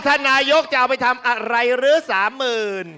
ท่านนายกจะเอาไปทำอะไรรึ๓หมื่น